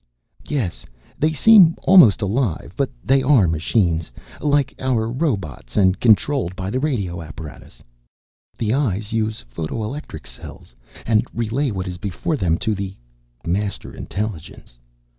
"Yes. They seem almost alive; but they are machines, like our robots, and controlled by the radio apparatus. The eyes use photo electric cells, and relay what is before them to the Master Intelligence."